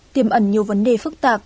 tiềm ẩn nhiều vấn đề phức tạp